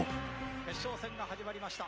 決勝戦が始まりました。